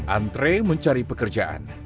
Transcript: antre mencari pekerjaan